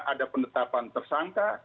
ada penetapan tersangka